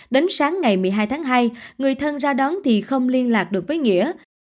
đến sáng ngày một mươi hai tháng hai người thân ra đón thì không liên lạc được với nghĩa